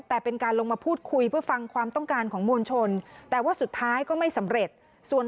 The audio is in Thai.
แต่เป็นการลงมาพูดคุยเพื่อฟังความต้องการของมวลชน